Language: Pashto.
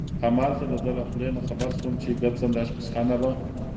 همالته د ده له خولې نه خبر شوم چې ګرځنده اشپزخانه به.